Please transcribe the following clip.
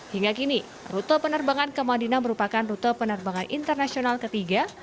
hingga kini rute penerbangan ke madinah merupakan rute penerbangan internasional ketiga